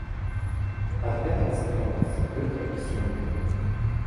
Ад гэтага становіцца прыкра і сумна.